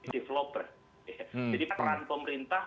developer jadi peran pemerintah